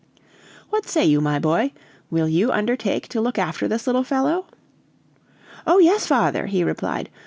"What say you, my boy will you undertake to look after this little fellow?" "Oh, yes, father!" he replied.